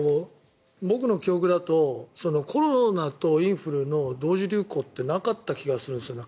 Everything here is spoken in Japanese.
僕の記憶だとコロナとインフルの同時流行ってなかった気がするんですよね